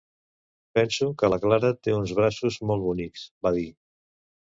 "Penso que la Clara té uns braços molt bonics", va dir.